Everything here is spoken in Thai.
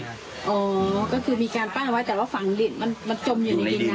อ๋อก็คือมีการปั้นเอาไว้แต่ว่าฝั่งดินมันจมอยู่จริงนะ